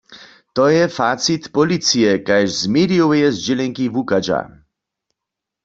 To je facit policije, kaž z medijoweje zdźělenki wuchadźa.